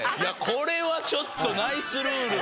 これはちょっとナイスルール！